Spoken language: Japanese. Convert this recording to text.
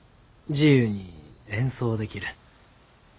自由に演奏できる。